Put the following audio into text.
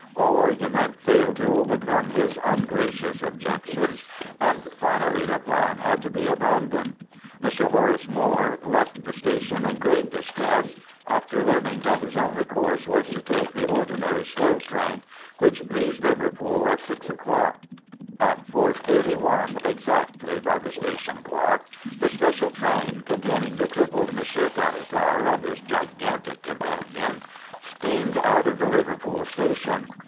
All argument failed to overcome his ungracious objections, and finally the plan had to be abandoned. Mr. Horace Moore left the station in great distress, after learning that his only course was to take the ordinary slow train which leaves Liverpool at six o'clock. At four thirty one exactly by the station clock the special train, containing the crippled Monsieur Caratal and his gigantic companion, steamed out of the Liverpool station.